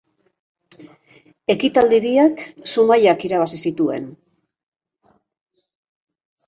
Ekitaldi biak Zumaiak irabazi zituen.